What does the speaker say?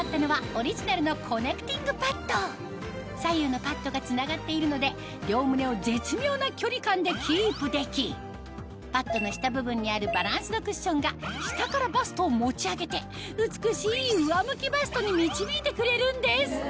ジニエがこだわったのは左右のパッドが繋がっているので両胸を絶妙な距離感でキープできパッドの下部分にあるバランスドクッションが下からバストを持ち上げて美しい上向きバストに導いてくれるんです